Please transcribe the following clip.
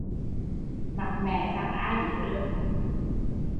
Mặt mẻ răng ai biết được